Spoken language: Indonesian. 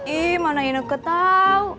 ih mana ineke tau